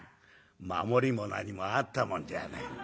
守りも何もあったもんじゃない。